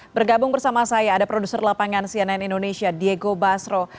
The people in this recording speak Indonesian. bergabung bersama saya ada produser lapangan cnn indonesia diego basro